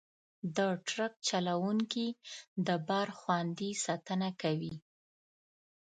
د ټرک چلوونکي د بار خوندي ساتنه کوي.